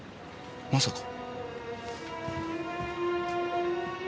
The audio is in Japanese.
まさか。